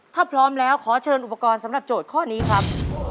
ถ้าพร้อมแล้วขอเชิญอุปกรณ์สำหรับโจทย์ข้อนี้ครับ